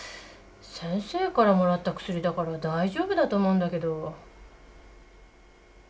先生からもらった薬だから大丈夫だと思うんだけど。